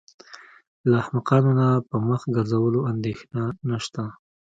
له احمقانو نه په مخ ګرځولو اندېښنه نشته.